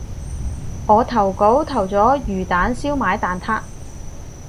我投稿投咗魚蛋燒賣蛋撻